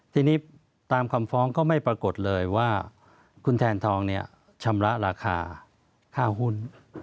ทีนี้ตามคำฟ้องก็ไม่ปรากฏเลยว่าคุณแทนทองเนี่ยชำระราคาค่าหุ้น